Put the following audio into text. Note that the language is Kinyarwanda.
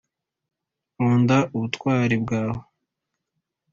nkunda ubutwari bwawe.